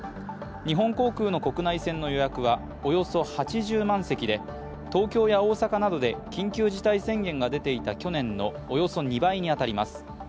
日本航空の国内線の予約はおよそ８０万席で東京や大阪などで緊急事態宣言が出ていた去年のおよそ２倍に当たります。